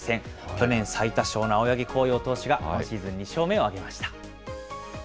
去年、最多勝の青柳晃洋投手が、今シーズン２勝目を挙げました。